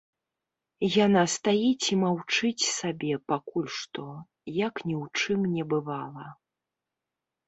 Яна стаіць і маўчыць сабе пакуль што, як ні ў чым не бывала.